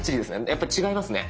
やっぱり違いますね。